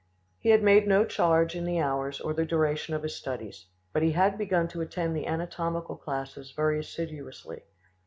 He had made no charge in the hours or the duration of his studies; but he had begun to attend the anatomical classes very assiduously.